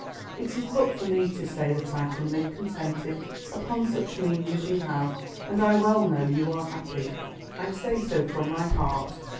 It is but for me to say that I can live contented upon such means as you have, and I well know you are happy. I say so from my heart.